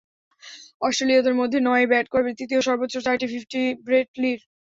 অস্ট্রেলীয়দের মধ্যে নয়ে ব্যাট করে দ্বিতীয় সর্বোচ্চ চারটি ফিফটি ব্রেট লির।